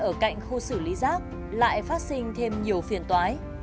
cuộc sống của người dân ở cạnh khu xử lý rác lại phát sinh thêm nhiều phiền toái